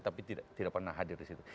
tapi tidak pernah hadir disitu